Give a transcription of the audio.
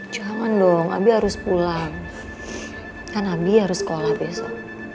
jangan dong abi harus pulang kan abi harus sekolah besok